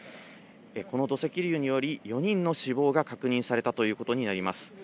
この土石流により、４人の死亡が確認されたということになります。